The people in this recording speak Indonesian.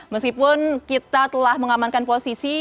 meskipun kita telah mengamankan posisi